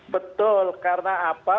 betul karena apa